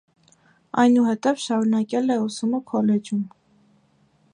Այնուհետև շարունակել է ուսումը քոլեջում։